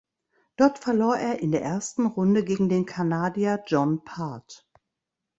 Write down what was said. Dort verlor er in der ersten Runde gegen den Kanadier John Part.